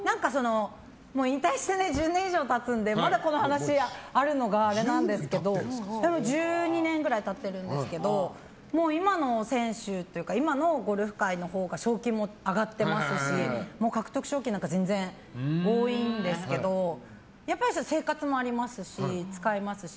引退して１０年以上経つのでまだこの話があるのがあれなんですけど１２年ぐらい経ってますけどもう今の選手というか今のゴルフ界のほうが賞金も上がってますし獲得賞金なんか全然今のほうが多いんですけどやっぱり生活もありますし使いますし。